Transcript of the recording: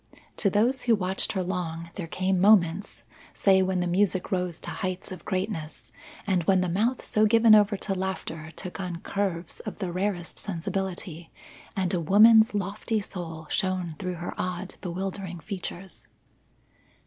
To those who watched her long, there came moments say when the music rose to heights of greatness when the mouth so given over to laughter took on curves of the rarest sensibility, and a woman's lofty soul shone through her odd, bewildering features.